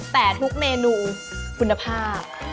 แต่ทุกเมนูคุณภาพ